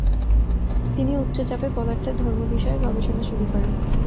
তিনি উচ্চ চাপে পদার্থের ধর্ম বিষয়ে গবেষণা শুরু করেন।